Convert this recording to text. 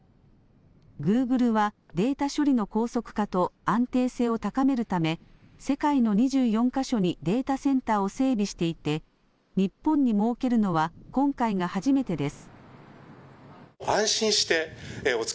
グーグルはデータ処理の高速化と安定性を高めるため、世界の２４か所にデータセンターを整備していて、日本に設けるのは今回が初めてです。